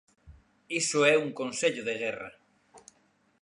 Iso é un consello de guerra.